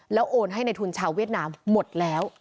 โอนให้ในทุนชาวเวียดนามหมดแล้ว